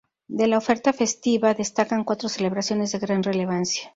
De la oferta festiva destacan cuatro celebraciones de gran relevancia.